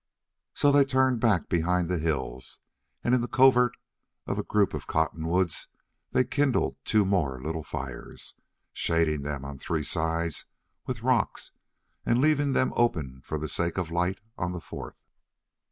So they turned back behind the hills and in the covert of a group of cottonwoods they kindled two more little fires, shading them on three sides with rocks and leaving them open for the sake of light on the fourth.